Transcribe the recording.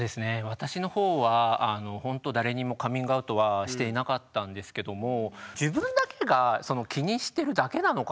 私の方はほんと誰にもカミングアウトはしていなかったんですけども。